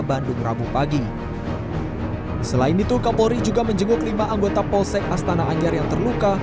bandung rabu pagi selain itu kapolri juga menjenguk lima anggota polsek astana anyar yang terluka